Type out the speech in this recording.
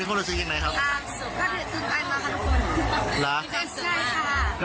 คุณรู้สึกยินไหมครับ